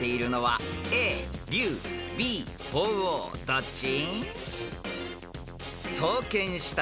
［どっち？］